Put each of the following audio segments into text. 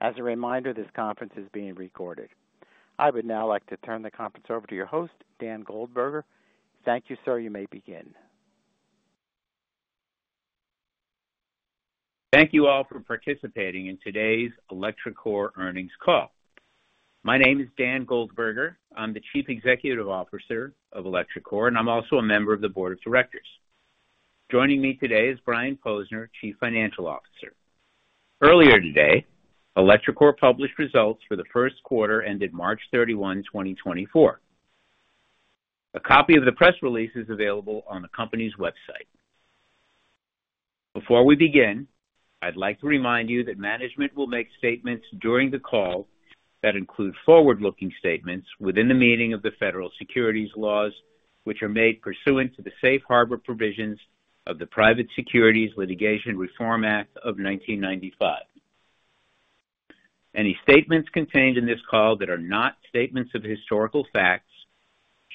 As a reminder, this conference is being recorded. I would now like to turn the conference over to your host, Dan Goldberger. Thank you, sir. You may begin. Thank you all for participating in today's ElectroCore earnings call. My name is Dan Goldberger. I'm the Chief Executive Officer of ElectroCore, and I'm also a member of the Board of Directors. Joining me today is Brian Posner, Chief Financial Officer. Earlier today, ElectroCore published results for the first quarter ended March 31, 2024. A copy of the press release is available on the company's website. Before we begin, I'd like to remind you that management will make statements during the call that include forward-looking statements within the meaning of the federal securities laws, which are made pursuant to the safe harbor provisions of the Private Securities Litigation Reform Act of 1995. Any statements contained in this call that are not statements of historical facts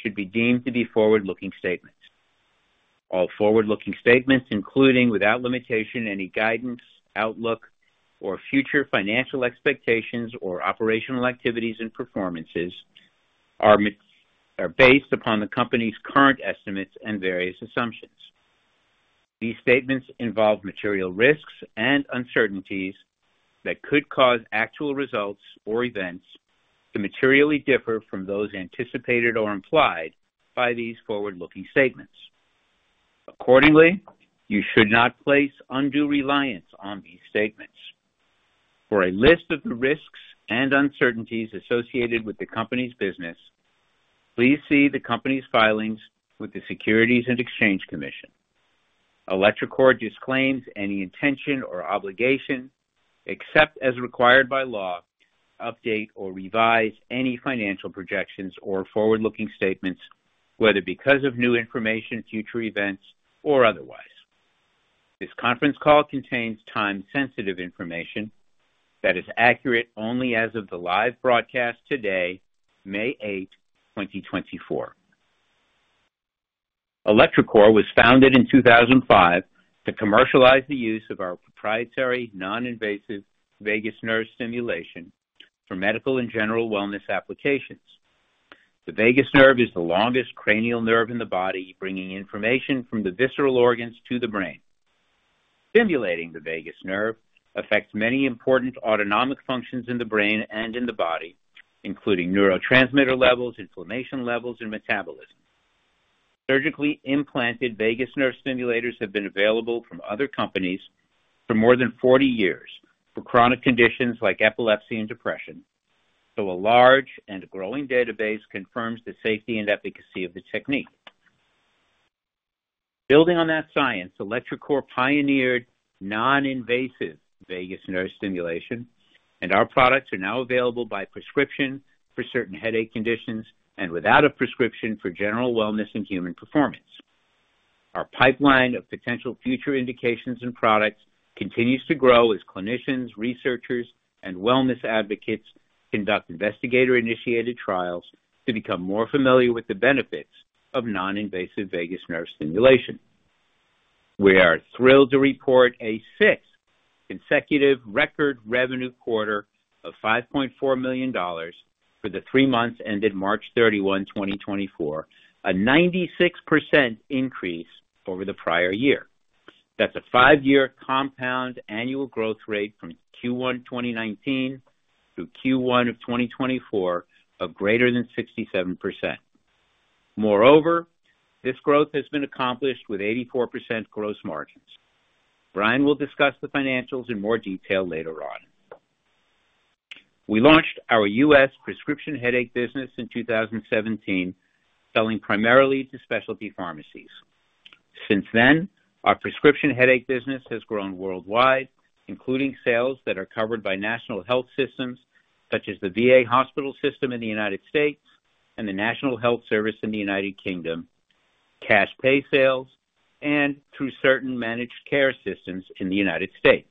should be deemed to be forward-looking statements. All forward-looking statements, including without limitation any guidance, outlook, or future financial expectations or operational activities and performances, are based upon the company's current estimates and various assumptions. These statements involve material risks and uncertainties that could cause actual results or events to materially differ from those anticipated or implied by these forward-looking statements. Accordingly, you should not place undue reliance on these statements. For a list of the risks and uncertainties associated with the company's business, please see the company's filings with the Securities and Exchange Commission. ElectroCore disclaims any intention or obligation, except as required by law, to update or revise any financial projections or forward-looking statements, whether because of new information, future events, or otherwise. This conference call contains time-sensitive information that is accurate only as of the live broadcast today, May 8, 2024. ElectroCore was founded in 2005 to commercialize the use of our proprietary non-invasive vagus nerve stimulation for medical and general wellness applications. The vagus nerve is the longest cranial nerve in the body, bringing information from the visceral organs to the brain. Stimulating the vagus nerve affects many important autonomic functions in the brain and in the body, including neurotransmitter levels, inflammation levels, and metabolism. Surgically implanted vagus nerve stimulators have been available from other companies for more than 40 years for chronic conditions like epilepsy and depression, so a large and growing database confirms the safety and efficacy of the technique. Building on that science, ElectroCore pioneered non-invasive vagus nerve stimulation, and our products are now available by prescription for certain headache conditions and without a prescription for general wellness and human performance. Our pipeline of potential future indications and products continues to grow as clinicians, researchers, and wellness advocates conduct investigator-initiated trials to become more familiar with the benefits of non-invasive vagus nerve stimulation. We are thrilled to report a sixth consecutive record revenue quarter of $5.4 million for the three months ended March 31, 2024, a 96% increase over the prior year. That's a five-year compound annual growth rate from Q1 2019 through Q1 of 2024 of greater than 67%. Moreover, this growth has been accomplished with 84% gross margins. Brian will discuss the financials in more detail later on. We launched our US prescription headache business in 2017, selling primarily to specialty pharmacies. Since then, our prescription headache business has grown worldwide, including sales that are covered by national health systems such as the VA hospital system in the United States and the National Health Service in the United Kingdom, cash pay sales, and through certain managed care systems in the United States.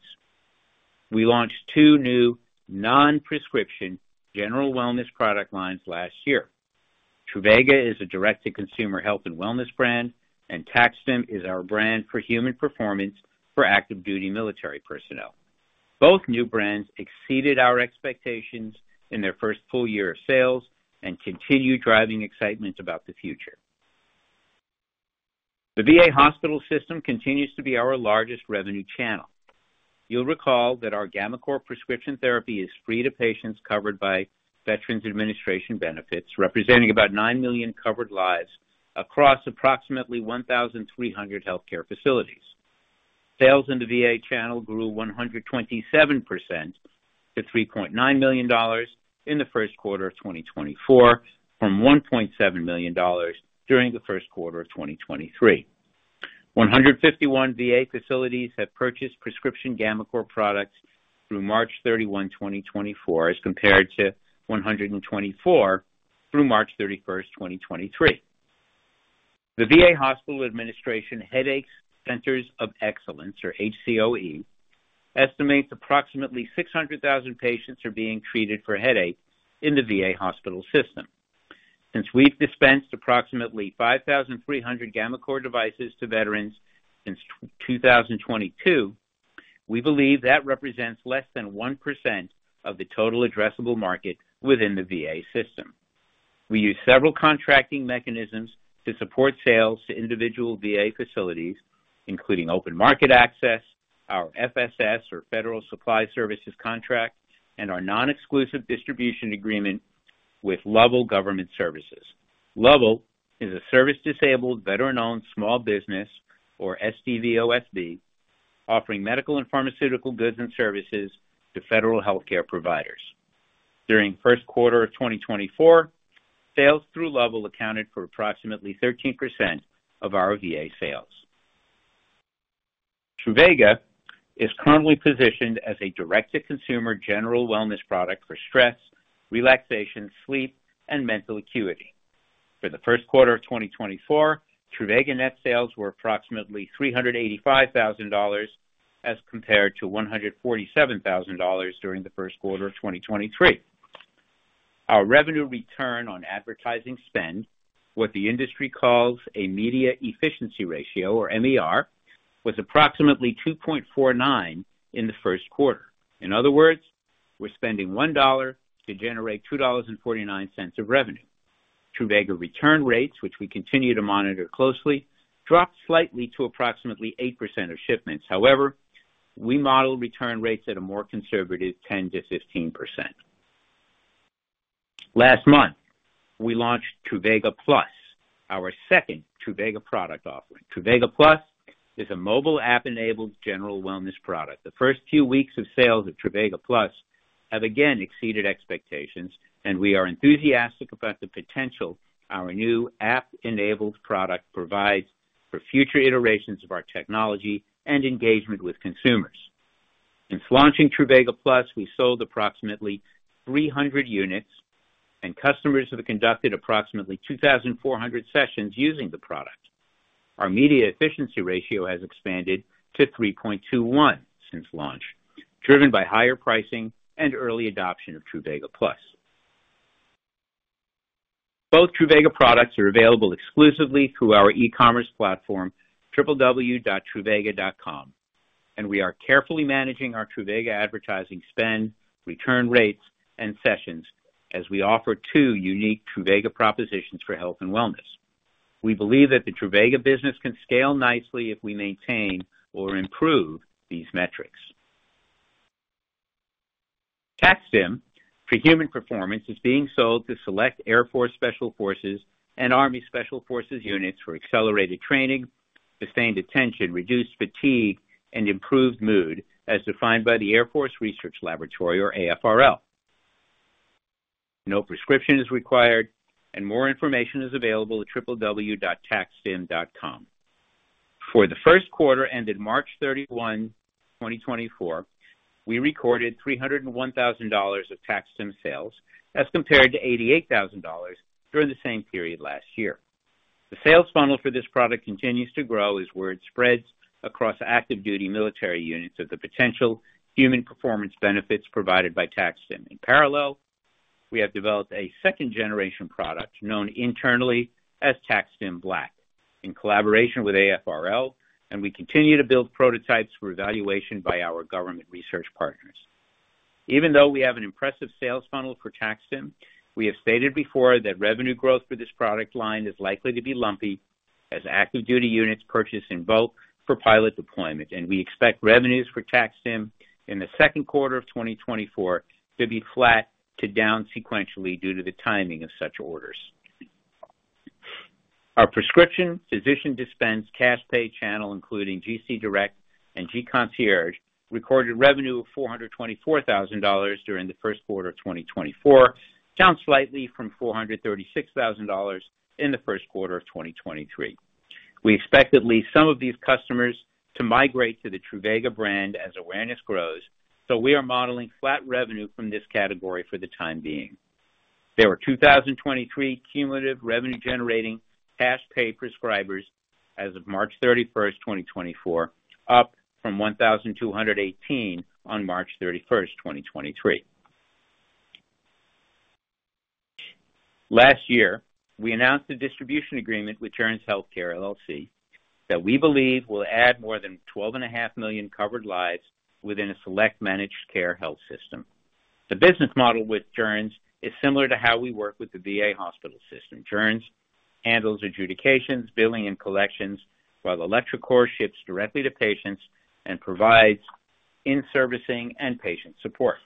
We launched two new non-prescription general wellness product lines last year. Truvaga is a direct-to-consumer health and wellness brand, and TAC-STIM is our brand for human performance for active-duty military personnel. Both new brands exceeded our expectations in their first full year of sales and continue driving excitement about the future. The VA hospital system continues to be our largest revenue channel. You'll recall that our GammaCore prescription therapy is free to patients, covered by Veterans Administration benefits, representing about 9 million covered lives across approximately 1,300 healthcare facilities. Sales in the VA channel grew 127% to $3.9 million in the first quarter of 2024 from $1.7 million during the first quarter of 2023. 151 VA facilities have purchased prescription GammaCore products through March 31, 2024, as compared to 124 through March 31, 2023. The VA Hospital Administration Headache Centers of Excellence, or HCoE, estimates approximately 600,000 patients are being treated for headache in the VA hospital system. Since we've dispensed approximately 5,300 GammaCore devices to veterans since 2022, we believe that represents less than 1% of the total addressable market within the VA system. We use several contracting mechanisms to support sales to individual VA facilities, including open market access, our FSS, or Federal Supply Schedule contract, and our non-exclusive distribution agreement with Lovell Government Services. Lovell is a service-disabled veteran-owned small business, or SDVOSB, offering medical and pharmaceutical goods and services to federal healthcare providers. During first quarter of 2024, sales through Lovell accounted for approximately 13% of our VA sales. Truvaga is currently positioned as a direct-to-consumer general wellness product for stress, relaxation, sleep, and mental acuity. For the first quarter of 2024, Truvaga net sales were approximately $385,000 as compared to $147,000 during the first quarter of 2023. Our revenue return on advertising spend, what the industry calls a media efficiency ratio, or MER, was approximately 2.49 in the first quarter. In other words, we're spending $1 to generate $2.49 of revenue. Truvaga return rates, which we continue to monitor closely, dropped slightly to approximately 8% of shipments. However, we model return rates at a more conservative 10%-15%. Last month, we launched Truvaga Plus, our second Truvaga product offering. Truvaga Plus is a mobile app-enabled general wellness product. The first few weeks of sales of Truvaga Plus have again exceeded expectations, and we are enthusiastic about the potential our new app-enabled product provides for future iterations of our technology and engagement with consumers. Since launching Truvaga Plus, we sold approximately 300 units, and customers have conducted approximately 2,400 sessions using the product. Our Media Efficiency Ratio has expanded to 3.21 since launch, driven by higher pricing and early adoption of Truvaga Plus. Both Truvaga products are available exclusively through our e-commerce platform, www.truvaga.com, and we are carefully managing our Truvaga advertising spend, return rates, and sessions as we offer two unique Truvaga propositions for health and wellness. We believe that the Truvaga business can scale nicely if we maintain or improve these metrics. TAC-STIM, for human performance, is being sold to select Air Force Special Forces and Army Special Forces units for accelerated training, sustained attention, reduced fatigue, and improved mood, as defined by the Air Force Research Laboratory, or AFRL. No prescription is required, and more information is available at www.tac-stim.com. For the first quarter ended March 31, 2024, we recorded $301,000 of TAC-STIM sales as compared to $88,000 during the same period last year. The sales funnel for this product continues to grow as word spreads across active-duty military units of the potential human performance benefits provided by TAC-STIM. In parallel, we have developed a second-generation product known internally as TAC-STIM Black in collaboration with AFRL, and we continue to build prototypes for evaluation by our government research partners. Even though we have an impressive sales funnel for TAC-STIM, we have stated before that revenue growth for this product line is likely to be lumpy as active-duty units purchase in bulk for pilot deployment, and we expect revenues for TAC-STIM in the second quarter of 2024 to be flat to down sequentially due to the timing of such orders. Our prescription physician dispense cash pay channel, including GCDirect and GConcierge, recorded revenue of $424,000 during the first quarter of 2024, down slightly from $436,000 in the first quarter of 2023. We expect at least some of these customers to migrate to the Truvaga brand as awareness grows, so we are modeling flat revenue from this category for the time being. There were 2,023 cumulative revenue-generating cash pay prescribers as of March 31, 2024, up from 1,218 on March 31, 2023. Last year, we announced a distribution agreement with Joerns Healthcare, LLC. that we believe will add more than 12.5 million covered lives within a select managed care health system. The business model with Joerns is similar to how we work with the VA hospital system. Joerns handles adjudications, billing, and collections, while ElectroCore ships directly to patients and provides in-servicing and patient support.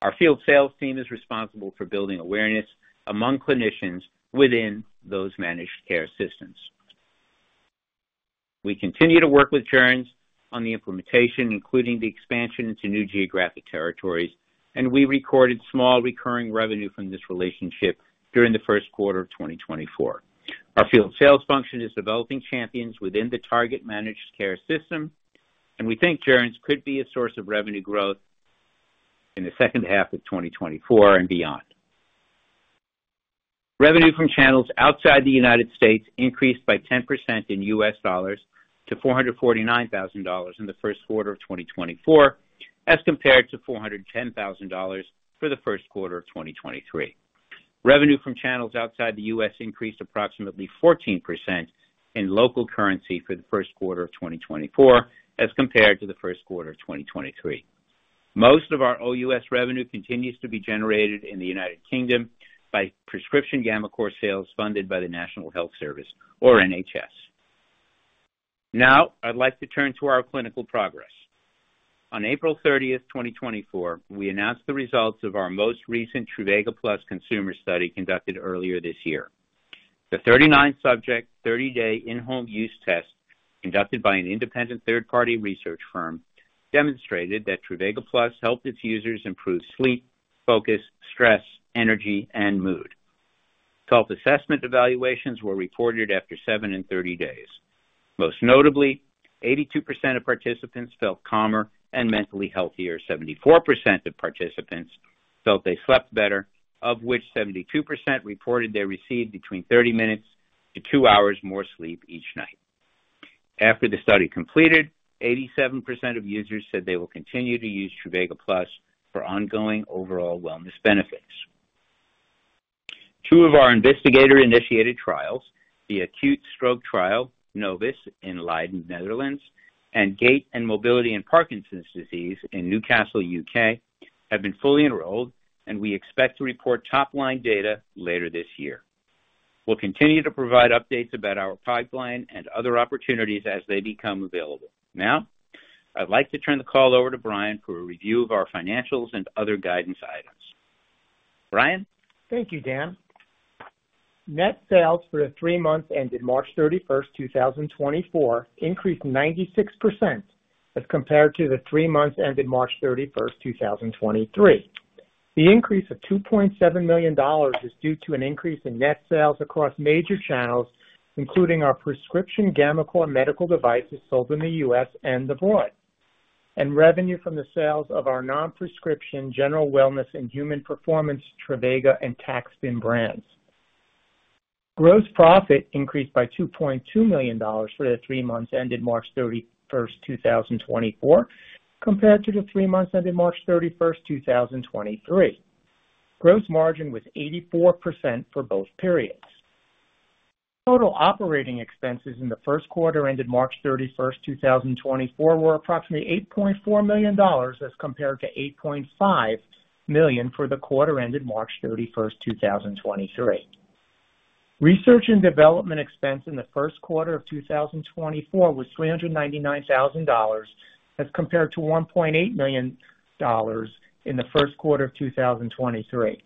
Our field sales team is responsible for building awareness among clinicians within those managed care systems. We continue to work with Joerns on the implementation, including the expansion into new geographic territories, and we recorded small recurring revenue from this relationship during the first quarter of 2024. Our field sales function is developing champions within the target managed care system, and we think Joerns could be a source of revenue growth in the second half of 2024 and beyond. Revenue from channels outside the United States increased by 10% in U.S. dollars to $449,000 in the first quarter of 2024 as compared to $410,000 for the first quarter of 2023. Revenue from channels outside the U.S. increased approximately 14% in local currency for the first quarter of 2024 as compared to the first quarter of 2023. Most of our OUS revenue continues to be generated in the United Kingdom by prescription GammaCore sales funded by the National Health Service, or NHS. Now, I'd like to turn to our clinical progress. On April 30, 2024, we announced the results of our most recent Truvaga Plus consumer study conducted earlier this year. The 39-subject, 30-day in-home use test conducted by an independent third-party research firm demonstrated that Truvaga Plus helped its users improve sleep, focus, stress, energy, and mood. Self-assessment evaluations were reported after seven and 30 days. Most notably, 82% of participants felt calmer and mentally healthier. 74% of participants felt they slept better, of which 72% reported they received between 30 minutes to two hours more sleep each night. After the study completed, 87% of users said they will continue to use Truvaga Plus for ongoing overall wellness benefits. Two of our investigator-initiated trials, the acute stroke trial, NOVUS, in Leiden, Netherlands, and gait and mobility in Parkinson's disease in Newcastle, U.K., have been fully enrolled, and we expect to report top-line data later this year. We'll continue to provide updates about our pipeline and other opportunities as they become available. Now, I'd like to turn the call over to Brian for a review of our financials and other guidance items. Brian? Thank you, Dan. Net sales for the three months ended March 31, 2024 increased 96% as compared to the three months ended March 31, 2023. The increase of $2.7 million is due to an increase in net sales across major channels, including our prescription GammaCore medical devices sold in the U.S. and abroad, and revenue from the sales of our non-prescription general wellness and human performance Truvaga and TAC-STIM brands. Gross profit increased by $2.2 million for the three months ended March 31, 2024, compared to the three months ended March 31, 2023. Gross margin was 84% for both periods. Total operating expenses in the first quarter ended March 31, 2024, were approximately $8.4 million as compared to $8.5 million for the quarter ended March 31, 2023. Research and development expense in the first quarter of 2024 was $399,000 as compared to $1.8 million in the first quarter of 2023.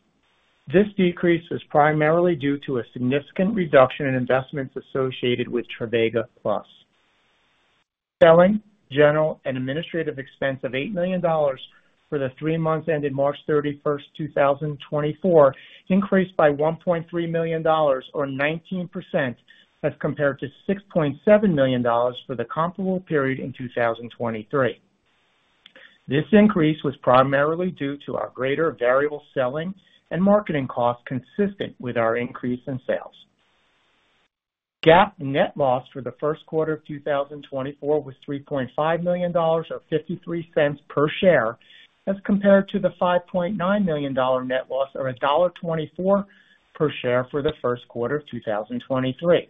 This decrease was primarily due to a significant reduction in investments associated with Truvaga Plus. Selling, general, and administrative expense of $8 million for the three months ended March 31, 2024 increased by $1.3 million, or 19%, as compared to $6.7 million for the comparable period in 2023. This increase was primarily due to our greater variable selling and marketing costs consistent with our increase in sales. GAAP net loss for the first quarter of 2024 was $3.5 million, or $0.53, per share as compared to the $5.9 million net loss, or $1.24 per share for the first quarter of 2023.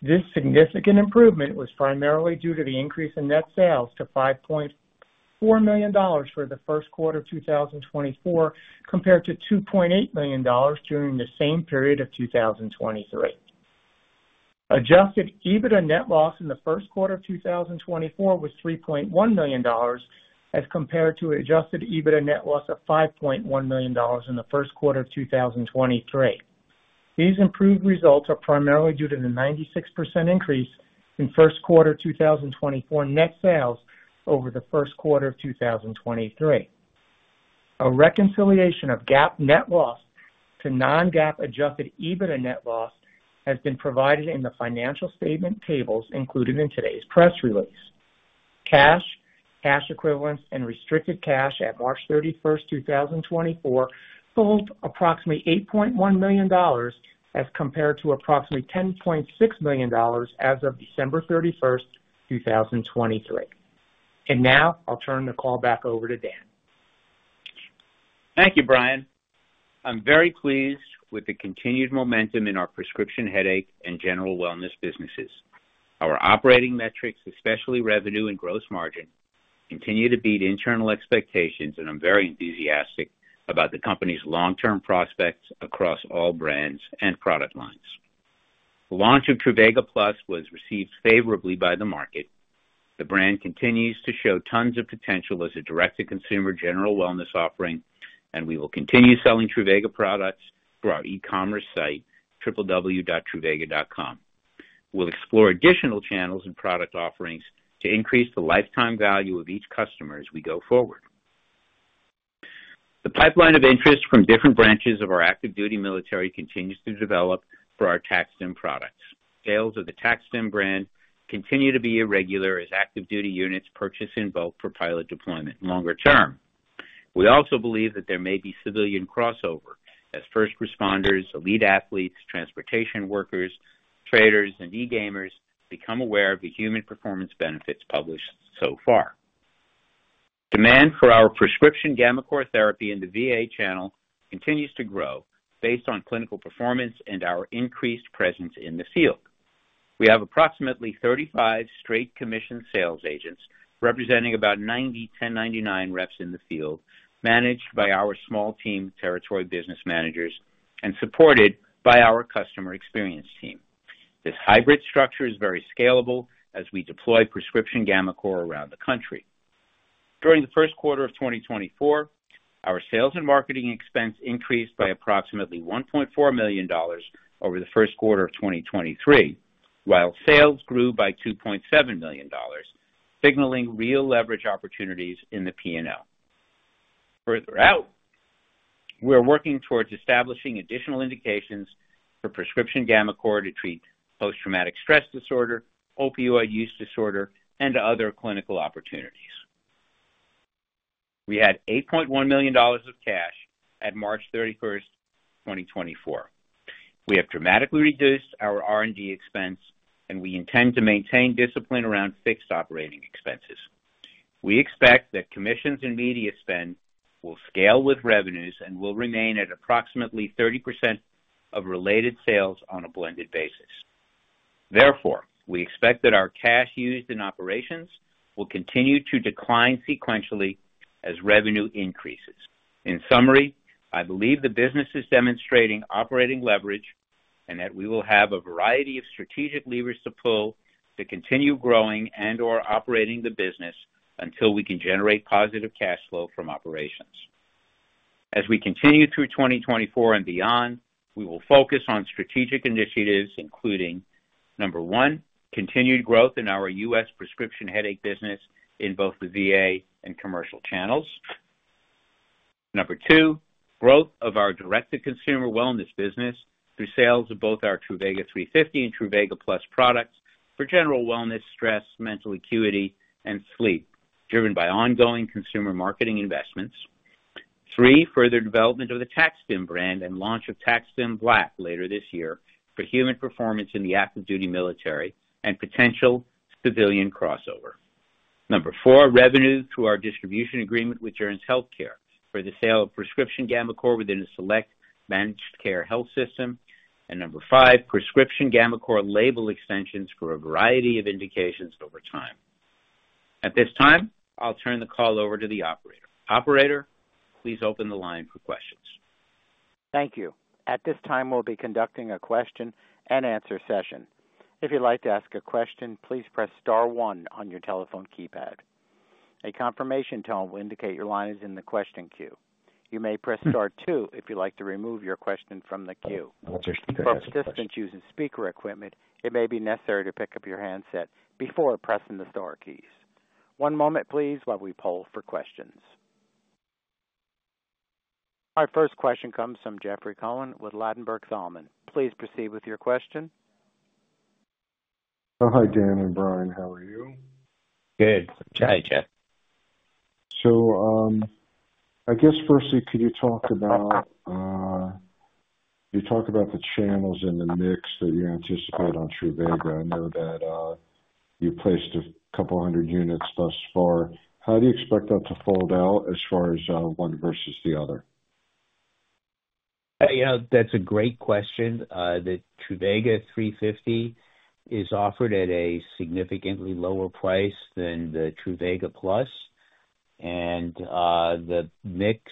This significant improvement was primarily due to the increase in net sales to $5.4 million for the first quarter of 2024 compared to $2.8 million during the same period of 2023. Adjusted EBITDA net loss in the first quarter of 2024 was $3.1 million as compared to an adjusted EBITDA net loss of $5.1 million in the first quarter of 2023. These improved results are primarily due to the 96% increase in first quarter 2024 net sales over the first quarter of 2023. A reconciliation of GAAP net loss to non-GAAP adjusted EBITDA net loss has been provided in the financial statement tables included in today's press release. Cash, cash equivalents, and restricted cash at March 31, 2024, totaled approximately $8.1 million as compared to approximately $10.6 million as of December 31, 2023. Now, I'll turn the call back over to Dan. Thank you, Brian. I'm very pleased with the continued momentum in our prescription headache and general wellness businesses. Our operating metrics, especially revenue and gross margin, continue to beat internal expectations, and I'm very enthusiastic about the company's long-term prospects across all brands and product lines. The launch of Truvaga Plus was received favorably by the market. The brand continues to show tons of potential as a direct-to-consumer general wellness offering, and we will continue selling Truvaga products through our e-commerce site, www.truvaga.com. We'll explore additional channels and product offerings to increase the lifetime value of each customer as we go forward. The pipeline of interest from different branches of our active-duty military continues to develop for our TAC-STIM products. Sales of the TAC-STIM brand continue to be irregular as active-duty units purchase in bulk for pilot deployment longer term. We also believe that there may be civilian crossover as first responders, elite athletes, transportation workers, traders, and e-gamers become aware of the human performance benefits published so far. Demand for our prescription GammaCore therapy in the VA channel continues to grow based on clinical performance and our increased presence in the field. We have approximately 35 straight commissioned sales agents representing about 90 1099 reps in the field managed by our small team of territory business managers and supported by our customer experience team. This hybrid structure is very scalable as we deploy prescription GammaCore around the country. During the first quarter of 2024, our sales and marketing expense increased by approximately $1.4 million over the first quarter of 2023, while sales grew by $2.7 million, signaling real leverage opportunities in the P&L. Further out, we're working towards establishing additional indications for prescription GammaCore to treat post-traumatic stress disorder, opioid use disorder, and other clinical opportunities. We had $8.1 million of cash at March 31, 2024. We have dramatically reduced our R&D expense, and we intend to maintain discipline around fixed operating expenses. We expect that commissions and media spend will scale with revenues and will remain at approximately 30% of related sales on a blended basis. Therefore, we expect that our cash used in operations will continue to decline sequentially as revenue increases. In summary, I believe the business is demonstrating operating leverage and that we will have a variety of strategic levers to pull to continue growing and/or operating the business until we can generate positive cash flow from operations. As we continue through 2024 and beyond, we will focus on strategic initiatives including, number one, continued growth in our US prescription headache business in both the VA and commercial channels. Number two, growth of our direct-to-consumer wellness business through sales of both our Truvaga 350 and Truvaga Plus products for general wellness, stress, mental acuity, and sleep driven by ongoing consumer marketing investments. Three, further development of the TAC-STIM brand and launch of TAC-STIM Black later this year for human performance in the active-duty military and potential civilian crossover. Number four, revenue through our distribution agreement with Joerns Healthcare for the sale of prescription GammaCore within a select managed care health system. And number five, prescription GammaCore label extensions for a variety of indications over time. At this time, I'll turn the call over to the operator. Operator, please open the line for questions. Thank you. At this time, we'll be conducting a question-and-answer session. If you'd like to ask a question, please press star one on your telephone keypad. A confirmation tone will indicate your line is in the question queue. You may press star two if you'd like to remove your question from the queue. For participants using speaker equipment, it may be necessary to pick up your handset before pressing the star keys. One moment, please, while we pull for questions. Our first question comes from Jeffrey Cohen with Ladenburg Thalmann. Please proceed with your question. Oh, hi, Dan and Brian. How are you? Good. Hi, Jeff. So I guess firstly, could you talk about the channels in the mix that you anticipate on Truvaga? I know that you've placed a couple hundred units thus far. How do you expect that to fold out as far as one versus the other? That's a great question. The Truvaga 350 is offered at a significantly lower price than the Truvaga Plus. And the mix,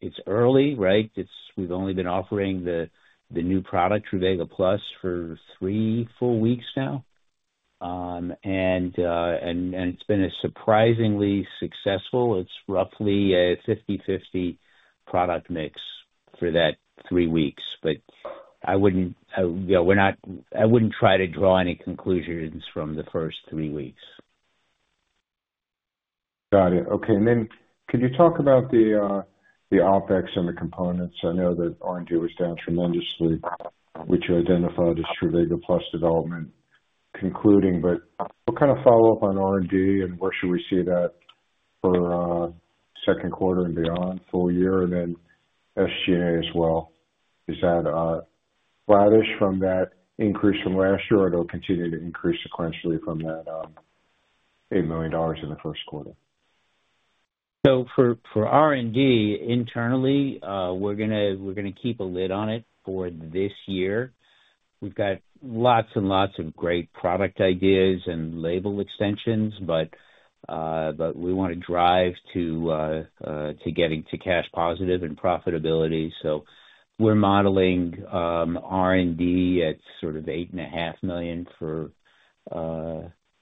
it's early, right? We've only been offering the new product, Truvaga Plus, for 3 full weeks now, and it's been surprisingly successful. It's roughly a 50/50 product mix for that 3 weeks. But I wouldn't try to draw any conclusions from the first 3 weeks. Got it. RK. And then could you talk about the OpEx and the components? I know that R&D was down tremendously, which you identified as Truvaga Plus development concluding. But what kind of follow-up on R&D, and where should we see that for second quarter and beyond, full year, and then SG&A as well? Is that flattish from that increase from last year, or it'll continue to increase sequentially from that $8 million in the first quarter? So for R&D internally, we're going to keep a lid on it for this year. We've got lots and lots of great product ideas and label extensions, but we want to drive to getting to cash positive and profitability. So we're modeling R&D at sort of $8.5 million for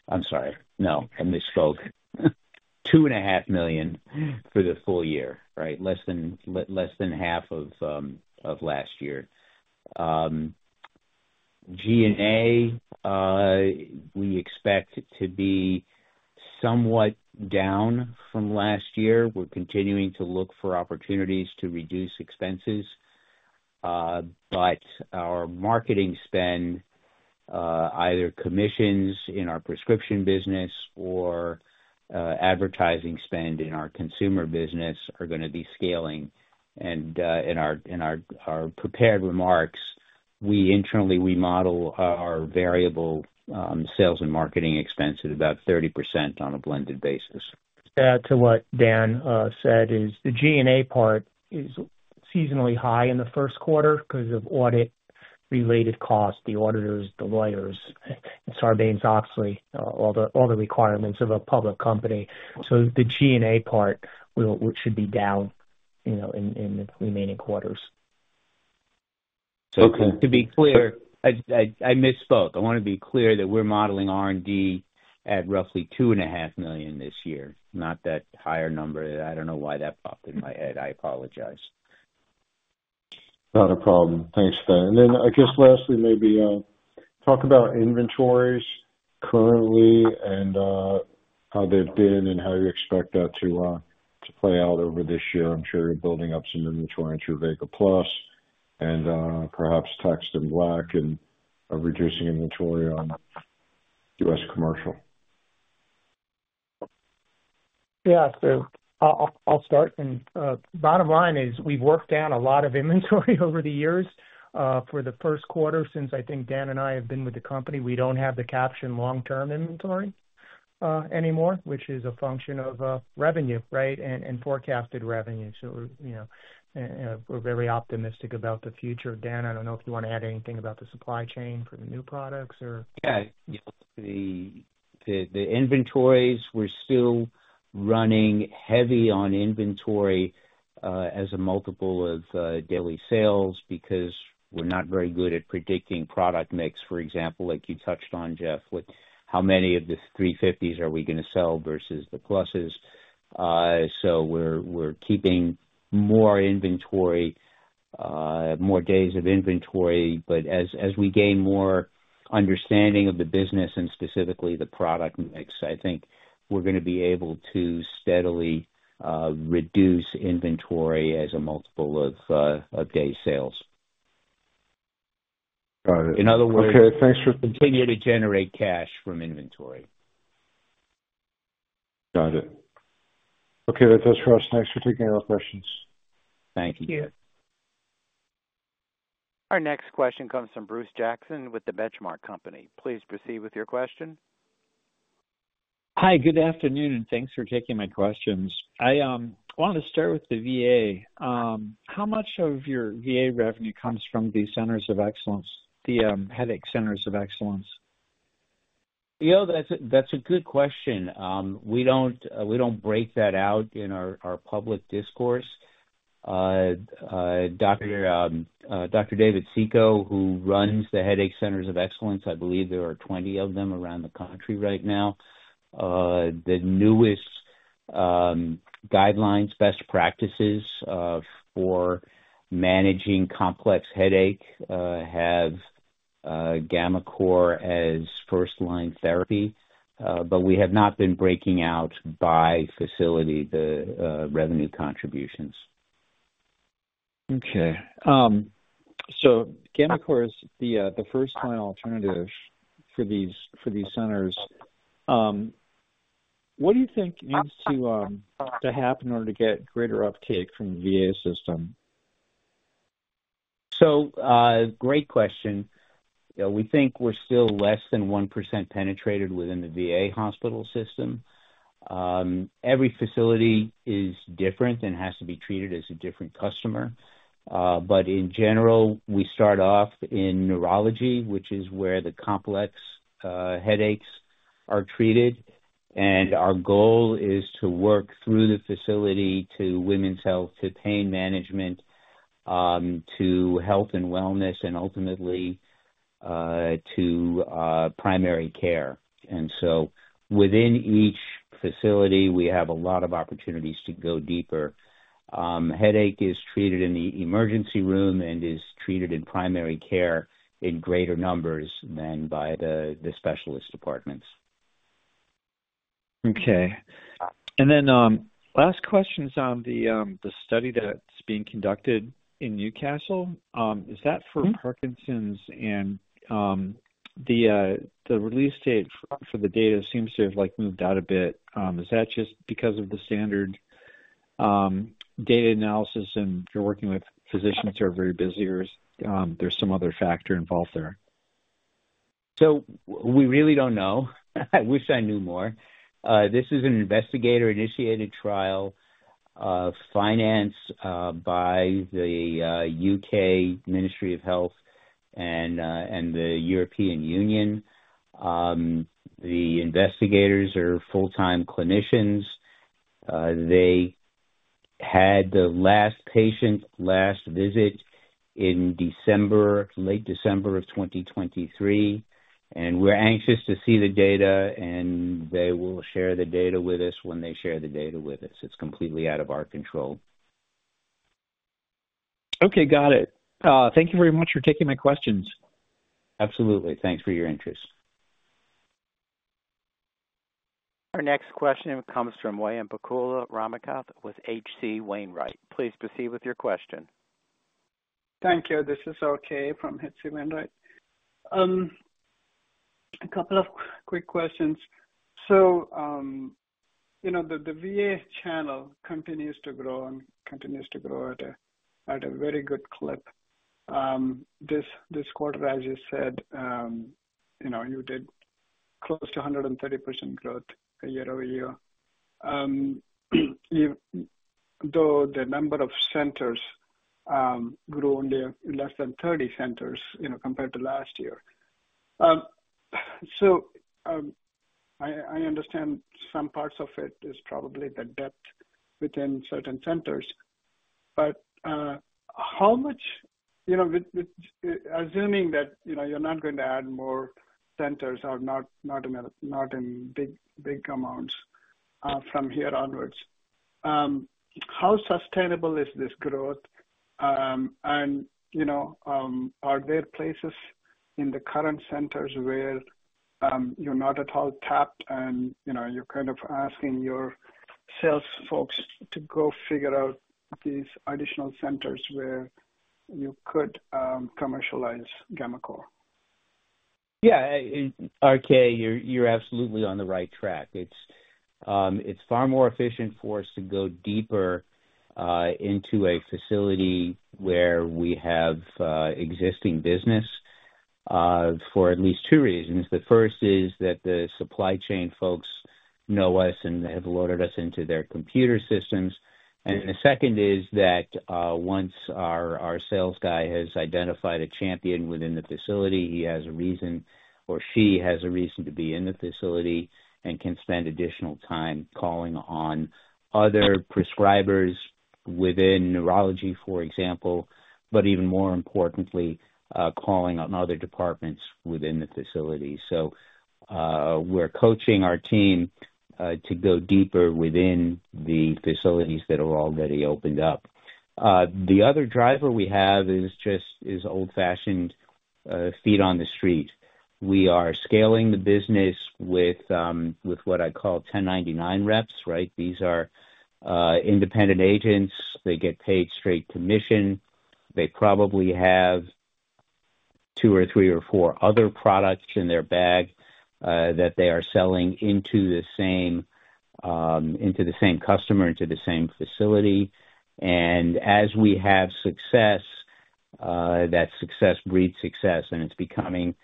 I'm sorry. No, I misspoke. $2.5 million for the full year, right? Less than half of last year. G&A, we expect it to be somewhat down from last year. We're continuing to look for opportunities to reduce expenses. But our marketing spend, either commissions in our prescription business or advertising spend in our consumer business, are going to be scaling. And in our prepared remarks, internally, we model our variable sales and marketing expense at about 30% on a blended basis. To what Dan said, the G&A part is seasonally high in the first quarter because of audit-related costs, the auditors, the lawyers, Sarbanes-Oxley, all the requirements of a public company. So the G&A part should be down in the remaining quarters. So to be clear, I misspoke. I want to be clear that we're modeling R&D at roughly $2.5 million this year, not that higher number. I don't know why that popped in my head. I apologize. Not a problem. Thanks, Dan. And then I guess lastly, maybe talk about inventories currently and how they've been and how you expect that to play out over this year. I'm sure you're building up some inventory in Truvaga Plus and perhaps TAC-STIM Black and reducing inventory on U.S. commercial. Yeah, sure. I'll start. And bottom line is we've worked down a lot of inventory over the years. For the first quarter, since I think Dan and I have been with the company, we don't have the capitalized long-term inventory anymore, which is a function of revenue, right, and forecasted revenue. So we're very optimistic about the future. Dan, I don't know if you want to add anything about the supply chain for the new products, or. Yeah. The inventories, we're still running heavy on inventory as a multiple of daily sales because we're not very good at predicting product mix. For example, like you touched on, Jeff, how many of the 350s are we going to sell versus the Pluses? So we're keeping more inventory, more days of inventory. But as we gain more understanding of the business and specifically the product mix, I think we're going to be able to steadily reduce inventory as a multiple of day sales. In other words. Okay. Thanks for. Continue to generate cash from inventory. Got it. Okay. That does for us. Thanks for taking all questions. Thank you. Thank you. Our next question comes from Bruce Jackson with The Benchmark Company. Please proceed with your question. Hi. Good afternoon, and thanks for taking my questions. I want to start with the VA. How much of your VA revenue comes from the centers of excellence, the headache centers of excellence? That's a good question. We don't break that out in our public discourse. Dr. Jason Sico, who runs the headache centers of excellence, I believe there are 20 of them around the country right now, the newest guidelines, best practices for managing complex headache have GammaCore as first-line therapy. But we have not been breaking out by facility, the revenue contributions. Okay. So GammaCore is the first-line alternative for these centers. What do you think needs to happen in order to get greater uptake from the VA system? So, great question. We think we're still less than 1% penetrated within the VA hospital system. Every facility is different and has to be treated as a different customer. But in general, we start off in neurology, which is where the complex headaches are treated. And our goal is to work through the facility to women's health, to pain management, to health and wellness, and ultimately to primary care. And so within each facility, we have a lot of opportunities to go deeper. Headache is treated in the emergency room and is treated in primary care in greater numbers than by the specialist departments. Okay. And then last question is on the study that's being conducted in Newcastle. Is that for Parkinson's? The release date for the data seems to have moved out a bit. Is that just because of the standard data analysis and you're working with physicians who are very busy, or is there some other factor involved there? We really don't know. I wish I knew more. This is an investigator-initiated trial financed by the U.K. Ministry of Health and the European Union. The investigators are full-time clinicians. They had the last patient last visit in late December of 2023. And we're anxious to see the data, and they will share the data with us when they share the data with us. It's completely out of our control. Okay. Got it. Thank you very much for taking my questions. Absolutely. Thanks for your interest. Our next question comes from Swayampakula Ramakanth with H.C. Wainwright. Please proceed with your question. Thank you. This is Okay from H.C. Wainwright. A couple of quick questions. So the VA channel continues to grow and continues to grow at a very good clip. This quarter, as you said, you did close to 130% growth year-over-year, though the number of centers grew only less than 30 centers compared to last year. So I understand some parts of it is probably the depth within certain centers. But how much assuming that you're not going to add more centers or not in big amounts from here onwards, how sustainable is this growth? And are there places in the current centers where you're not at all tapped, and you're kind of asking your sales folks to go figure out these additional centers where you could commercialize GammaCore? Yeah. RK, you're absolutely on the right track. It's far more efficient for us to go deeper into a facility where we have existing business for at least two reasons. The first is that the supply chain folks know us and have loaded us into their computer systems. The second is that once our sales guy has identified a champion within the facility, he has a reason or she has a reason to be in the facility and can spend additional time calling on other prescribers within neurology, for example, but even more importantly, calling on other departments within the facility. So we're coaching our team to go deeper within the facilities that are already opened up. The other driver we have is old-fashioned feet on the street. We are scaling the business with what I call 1099 reps, right? These are independent agents. They get paid straight commission. They probably have two or three or four other products in their bag that they are selling into the same customer, into the same facility. And as we have success, that success breeds success, and it's becoming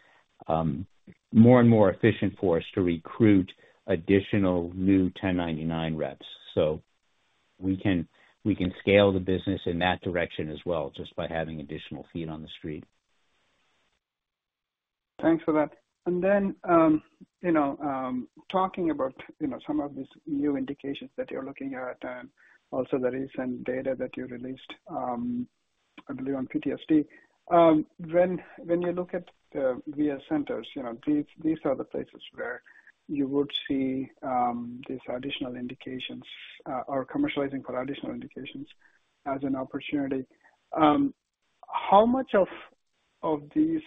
more and more efficient for us to recruit additional new 1099 reps. So we can scale the business in that direction as well just by having additional feet on the street. Thanks for that. And then talking about some of these new indications that you're looking at and also the recent data that you released, I believe, on PTSD, when you look at VA centers, these are the places where you would see these additional indications or commercializing for additional indications as an opportunity. How much of these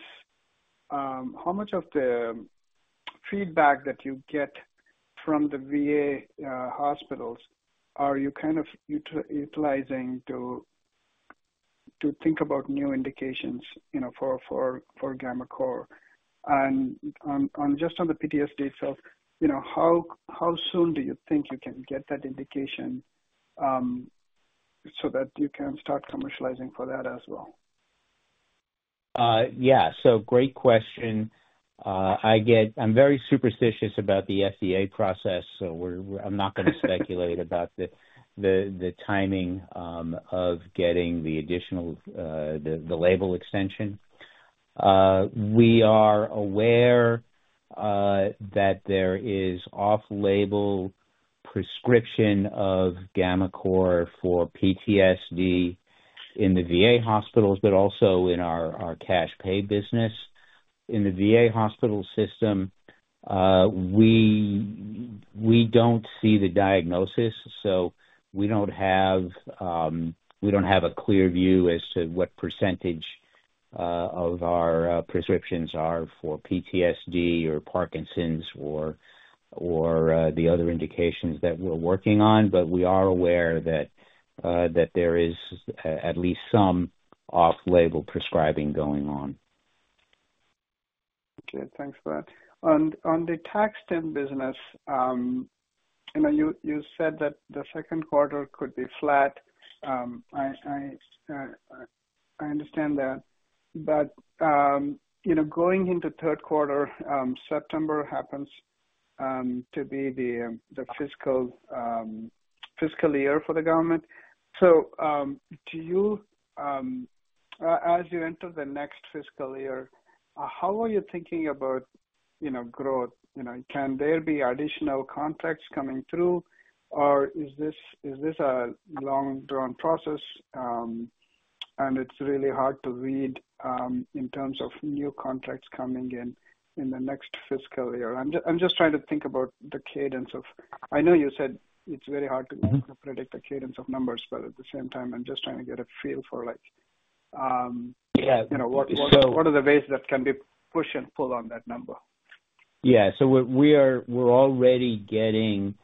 how much of the feedback that you get from the VA hospitals are you kind of utilizing to think about new indications for gammaCore? Just on the PTSD itself, how soon do you think you can get that indication so that you can start commercializing for that as well? Yeah. Great question. I'm very superstitious about the FDA process, so I'm not going to speculate about the timing of getting the additional label extension. We are aware that there is off-label prescription of GammaCore for PTSD in the VA hospitals, but also in our cash pay business. In the VA hospital system, we don't see the diagnosis. So we don't have a clear view as to what percentage of our prescriptions are for PTSD or Parkinson's or the other indications that we're working on. But we are aware that there is at least some off-label prescribing going on. Okay. Thanks for that. And on the TAC-STIM business, you said that the second quarter could be flat. I understand that. But going into third quarter, September happens to be the fiscal year for the government. So as you enter the next fiscal year, how are you thinking about growth? Can there be additional contracts coming through, or is this a long-drawn process? And it's really hard to read in terms of new contracts coming in the next fiscal year. I'm just trying to think about the cadence of. I know you said it's very hard to predict the cadence of numbers, but at the same time, I'm just trying to get a feel for what are the ways that can be push and pull on that number? Yeah. So we're already getting,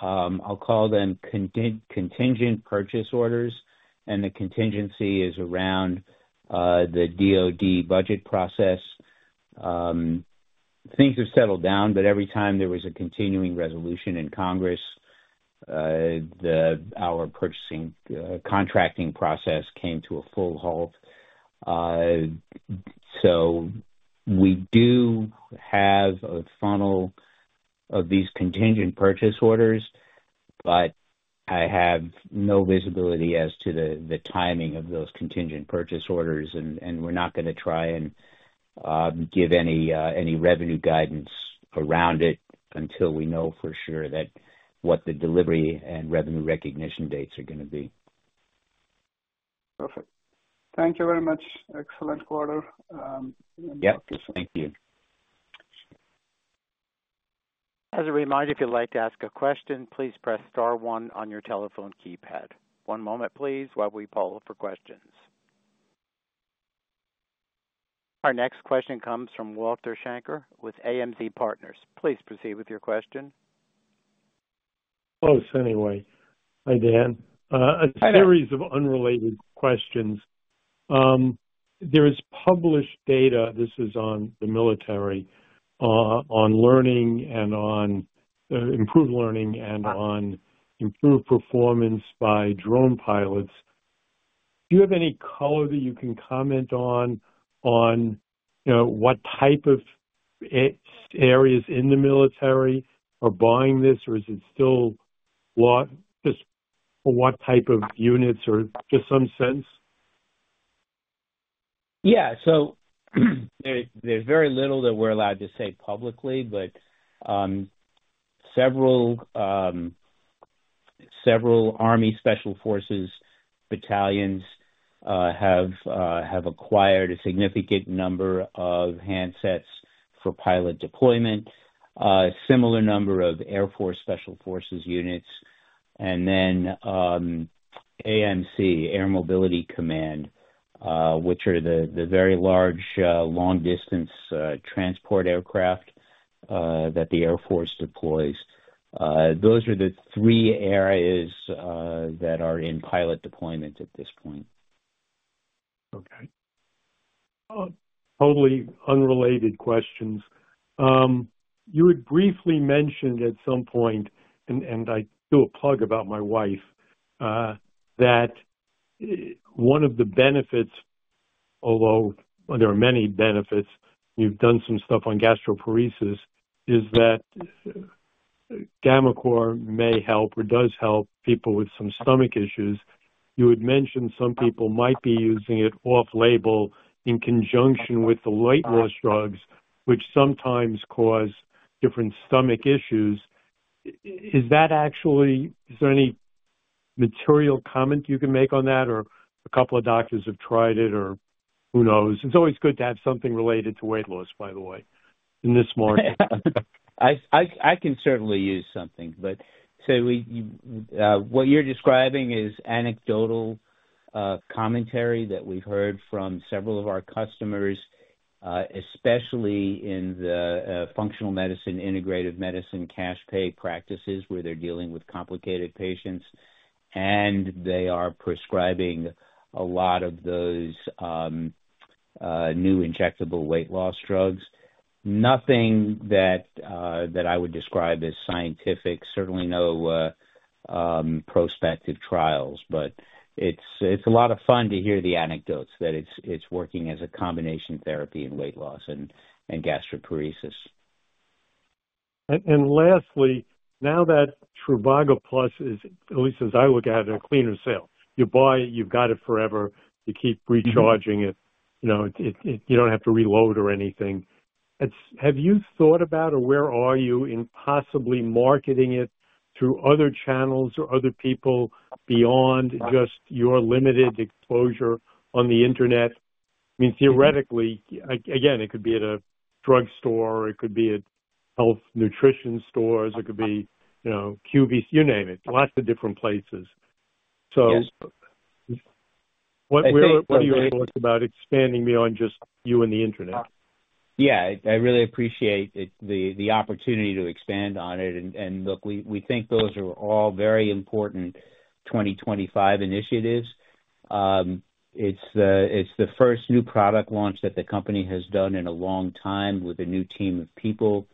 I'll call them, contingent purchase orders, and the contingency is around the DOD budget process. Things have settled down, but every time there was a continuing resolution in Congress, our contracting process came to a full halt. So we do have a funnel of these contingent purchase orders, but I have no visibility as to the timing of those contingent purchase orders. And we're not going to try and give any revenue guidance around it until we know for sure what the delivery and revenue recognition dates are going to be. Perfect. Thank you very much. Excellent quarter. Okay. Yeah. Thank you. As a reminder, if you'd like to ask a question, please press star one on your telephone keypad. One moment, please, while we poll for questions. Our next question comes from Walter Schenker with MAZ Partners. Please proceed with your question. Close anyway. Hi, Dan. A series of unrelated questions. There is published data - this is on the military - on learning and on improved learning and on improved performance by drone pilots. Do you have any color that you can comment on what type of areas in the military are buying this, or is it still just for what type of units or just some sense? Yeah. There's very little that we're allowed to say publicly, but several Army special forces battalions have acquired a significant number of handsets for pilot deployment, a similar number of Air Force special forces units, and then AMC, Air Mobility Command, which are the very large long-distance transport aircraft that the Air Force deploys. Those are the three areas that are in pilot deployment at this point. Okay. Totally unrelated questions. You had briefly mentioned at some point, and I do a plug about my wife, that one of the benefits, although there are many benefits, you've done some stuff on gastroparesis, is that GammaCore may help or does help people with some stomach issues. You had mentioned some people might be using it off-label in conjunction with the weight loss drugs, which sometimes cause different stomach issues. Is there any material comment you can make on that, or a couple of doctors have tried it, or who knows? It's always good to have something related to weight loss, by the way, in this market. I can certainly use something. But, say, what you're describing is anecdotal commentary that we've heard from several of our customers, especially in the functional medicine, integrative medicine, cash pay practices where they're dealing with complicated patients, and they are prescribing a lot of those new injectable weight loss drugs. Nothing that I would describe as scientific, certainly no prospective trials. But it's a lot of fun to hear the anecdotes that it's working as a combination therapy in weight loss and gastroparesis. And lastly, now that Truvaga Plus is, at least as I look at it, a cleaner sale. You buy it. You've got it forever. You keep recharging it. You don't have to reload or anything. Have you thought about or where are you in possibly marketing it through other channels or other people beyond just your limited exposure on the internet? I mean, theoretically, again, it could be at a drug store. It could be at health nutrition stores. It could be QVC, you name it, lots of different places. So what are your thoughts about expanding beyond just you and the internet? Yeah. I really appreciate the opportunity to expand on it. And look, we think those are all very important 2025 initiatives. It's the first new product launch that the company has done in a long time with a new team of people.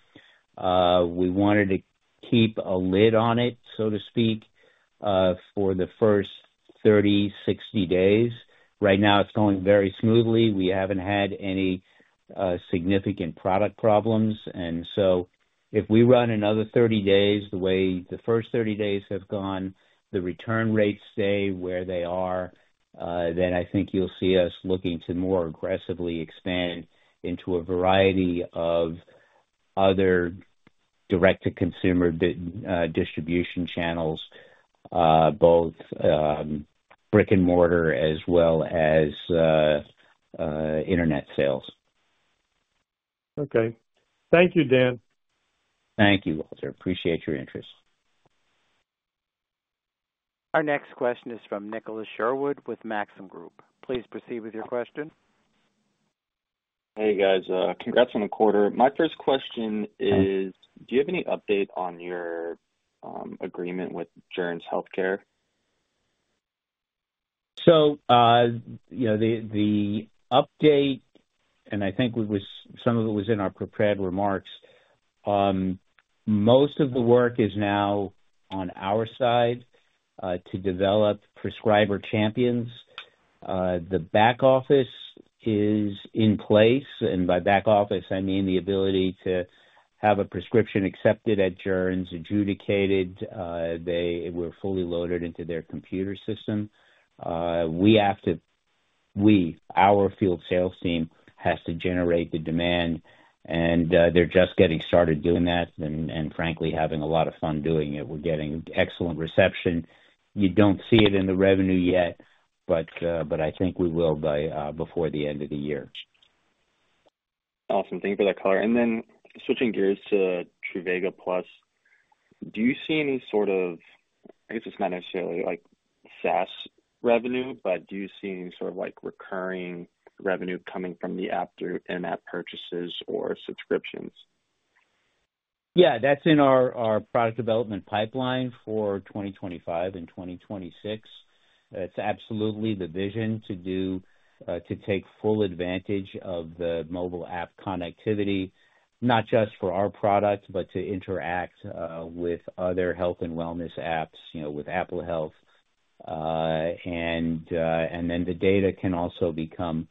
We wanted to keep a lid on it, so to speak, for the first 30, 60 days. Right now, it's going very smoothly. We haven't had any significant product problems. And so if we run another 30 days the way the first 30 days have gone, the return rates stay where they are, then I think you'll see us looking to more aggressively expand into a variety of other direct-to-consumer distribution channels, both brick and mortar as well as internet sales. Okay. Thank you, Dan. Thank you, Walter. Appreciate your interest. Our next question is from Nicholas Sherwood with Maxim Group. Please proceed with your question. Hey, guys. Congrats on the quarter. My first question is, do you have any update on your agreement with Joerns Healthcare? So the update, and I think some of it was in our prepared remarks, most of the work is now on our side to develop prescriber champions. The back office is in place. And by back office, I mean the ability to have a prescription accepted at Joerns, adjudicated. They were fully loaded into their computer system. Our field sales team has to generate the demand, and they're just getting started doing that and, frankly, having a lot of fun doing it. We're getting excellent reception. You don't see it in the revenue yet, but I think we will before the end of the year. Awesome. Thank you for that color. And then switching gears to Truvaga Plus, do you see any sort of, I guess it's not necessarily SaaS revenue, but do you see any sort of recurring revenue coming from the app through internet purchases or subscriptions? Yeah. That's in our product development pipeline for 2025 and 2026. It's absolutely the vision to take full advantage of the mobile app connectivity, not just for our product, but to interact with other health and wellness apps, with Apple Health. And then the data can also become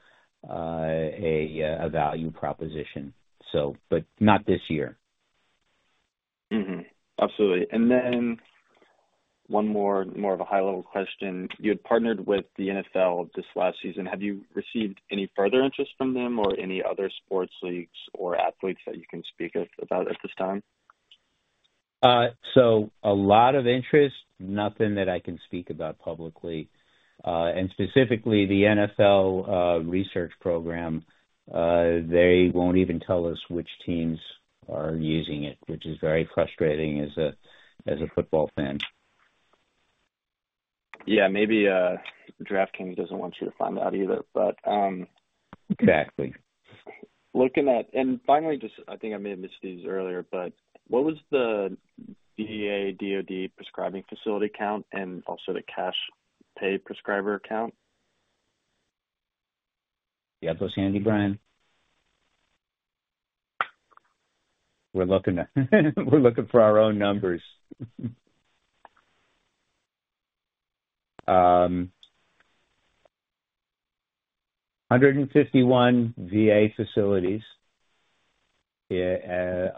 a value proposition, but not this year. Absolutely. And then one more of a high-level question. You had partnered with the NFL this last season. Have you received any further interest from them or any other sports leagues or athletes that you can speak about at this time? So a lot of interest, nothing that I can speak about publicly. And specifically, the NFL research program, they won't even tell us which teams are using it, which is very frustrating as a football fan. Yeah. Maybe DraftKings doesn't want you to find out either, but. Exactly. And finally, I think I may have missed these earlier, but what was the VA/DOD prescribing facility count and also the cash pay prescriber count? You have those, Sandy, Brian? We're looking for our own numbers. 151 VA facilities,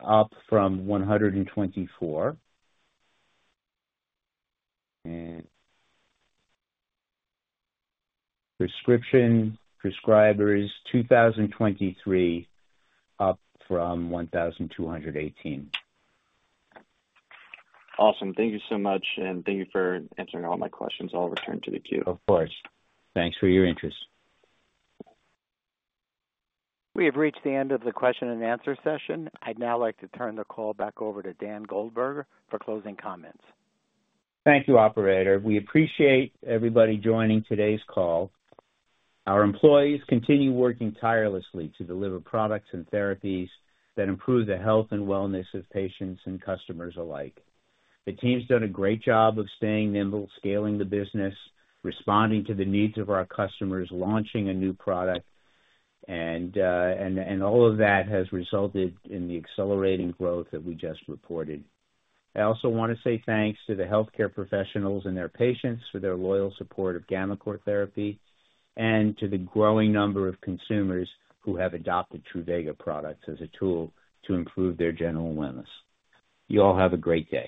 up from 124. Prescription prescribers, 2,023, up from 1,218. Awesome. Thank you so much, and thank you for answering all my questions. I'll return to the queue. Of course. Thanks for your interest. We have reached the end of the question-and-answer session. I'd now like to turn the call back over to Dan Goldberger for closing comments. Thank you, operator. We appreciate everybody joining today's call. Our employees continue working tirelessly to deliver products and therapies that improve the health and wellness of patients and customers alike. The team's done a great job of staying nimble, scaling the business, responding to the needs of our customers, launching a new product, and all of that has resulted in the accelerating growth that we just reported. I also want to say thanks to the healthcare professionals and their patients for their loyal support of GammaCore therapy and to the growing number of consumers who have adopted Truvaga products as a tool to improve their general wellness. You all have a great day.